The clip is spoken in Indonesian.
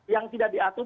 yang tidak diatur